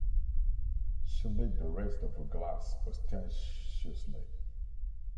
She lit the rest of her glass ostentatiously.